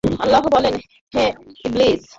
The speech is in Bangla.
আল্লাহ বললেন, হে ইবলীস!